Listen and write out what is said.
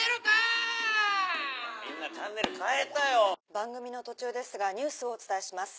番組の途中ですがニュースをお伝えします。